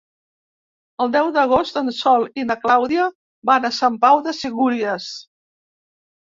El deu d'agost en Sol i na Clàudia van a Sant Pau de Segúries.